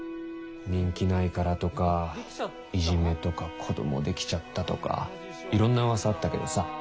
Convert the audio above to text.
人気ないからとかいじめとか子どもできちゃったとかいろんな噂あったけどさ。